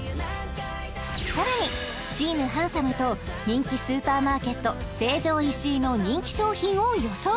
さらにチーム・ハンサム！と人気スーパーマーケット成城石井の人気商品を予想